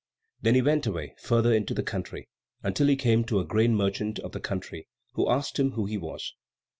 Then he went away further into the country, until he came to a grain merchant of the country, who asked him who he was.